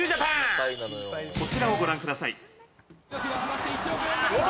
「こちらをご覧ください」誰？